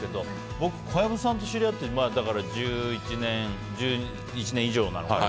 僕、小籔さんと知り合って１１年以上なのかな。